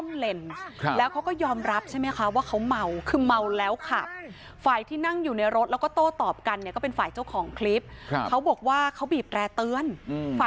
เม้าผมว่าพี่กลับบ้านเถอะนะ